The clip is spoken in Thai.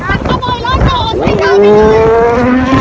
แต่ว่าเมืองนี้ก็ไม่เหมือนกับเมืองอื่น